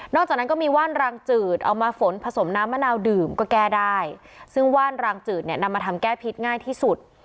จากนั้นก็มีว่านรางจืดเอามาฝนผสมน้ำมะนาวดื่มก็แก้ได้ซึ่งว่านรางจืดเนี่ยนำมาทำแก้พิษง่ายที่สุด